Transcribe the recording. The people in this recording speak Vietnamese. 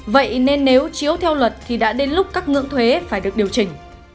vậy nên nếu chiếu theo luật thì đã đến lúc các ngưỡng thuế phải được điều chỉnh